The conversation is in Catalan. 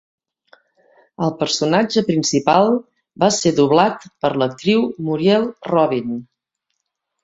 El personatge principal va ser doblat per l'actriu Muriel Robin.